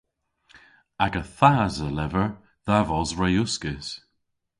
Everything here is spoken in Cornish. Aga thas a lever dha vos re uskis.